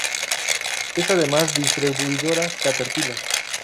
Es además distribuidora Caterpillar.